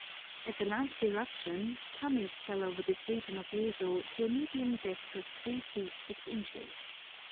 At the last eruption pumice fell over this region of Yezo to a medium depth of 3 feet 6 inches.